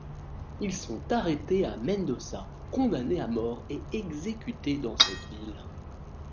Ils sont arrêtés à Mendoza, condamnés à mort et exécutés dans cette ville.